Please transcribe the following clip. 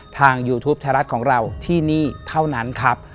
ยูทูปไทยรัฐของเราที่นี่เท่านั้นครับ